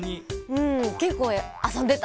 うんけっこうあそんでた。